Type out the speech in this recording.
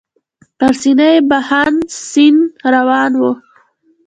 پر سینه یې بهاند سیند روان و.